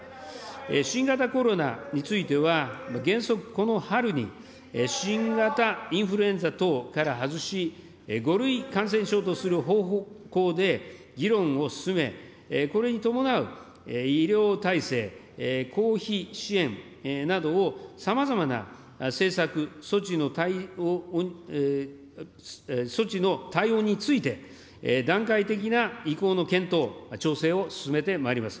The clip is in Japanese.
新型コロナについては、原則、この春に新型インフルエンザ等から外し、５類感染症とする方向で議論を進め、これに伴う医療体制、公費支援などを、さまざまな政策、措置の対応について、段階的な移行の検討、調整を進めてまいります。